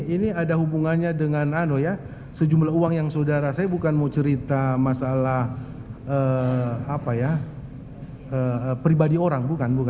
ini ada hubungannya dengan sejumlah uang yang saudara saya bukan mau cerita masalah pribadi orang